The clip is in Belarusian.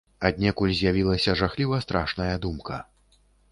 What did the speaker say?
Аднекуль з'явілася жахліва страшная думка.